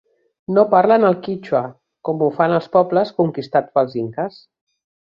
No parlen el quítxua, com ho fan els pobles conquistats pels inques.